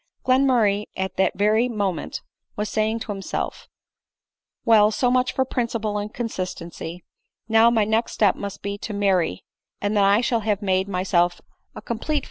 Glenmur ray at that very moment was saying to himself, " Well ; 4<J ADELINE MOWBRAY. so much for principle and consistency ! Now, my next step must be to marry, and then I shall have made my self a complete